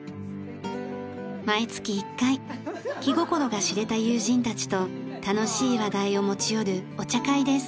毎月１回気心が知れた友人たちと楽しい話題を持ち寄るお茶会です。